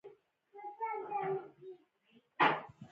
ملخانو به هم په خوښۍ سره خپل غږونه ایستل